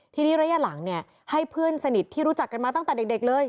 ทีนี้ระยะหลังเนี่ยให้เพื่อนสนิทที่รู้จักกันมาตั้งแต่เด็กเลย